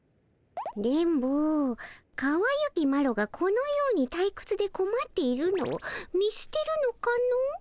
電ボかわゆきマロがこのようにたいくつでこまっているのを見すてるのかの？